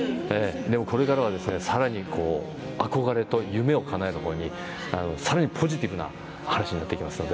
これからはさらに憧れと夢をかなえる方にポジティブな話になっていきます。